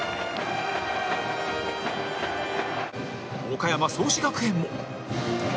岡山創志学園も